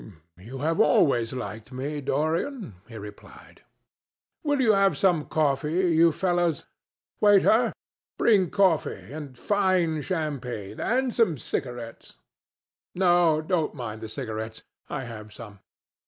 "You will always like me, Dorian," he replied. "Will you have some coffee, you fellows? Waiter, bring coffee, and fine champagne, and some cigarettes. No, don't mind the cigarettes—I have some.